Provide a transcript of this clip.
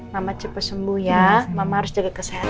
mama cepet sembuh ya mama harus jaga kesehatan